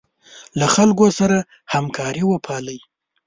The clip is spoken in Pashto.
له خلکو سره همکاري وپالئ.